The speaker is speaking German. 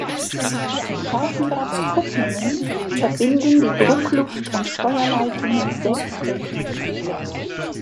Die Scharfenbergkupplungen verbinden die Druckluft- und Steuerleitungen selbsttätig mit.